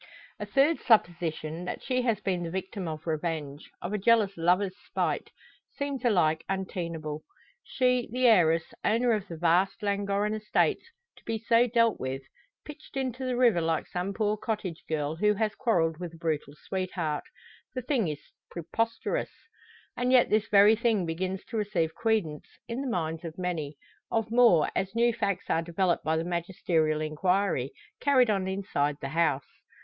A third supposition, that she has been the victim of revenge of a jealous lover's spite seems alike untenable. She, the heiress, owner of the vast Llangorren estates, to be so dealt with pitched into the river like some poor cottage girl, who has quarrelled with a brutal sweetheart! The thing is preposterous! And yet this very thing begins to receive credence in the minds of many of more, as new facts are developed by the magisterial enquiry, carried on inside the house.